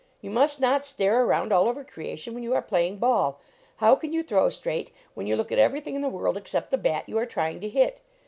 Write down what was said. You must not stare around all over creation when you are playing ball. How can you throw straight when you look at everything in the world except the bat you are trying to hit?